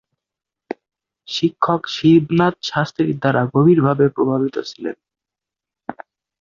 শিক্ষক শিবনাথ শাস্ত্রীর দ্বারা গভীরভাবে প্রভাবিত ছিলেন।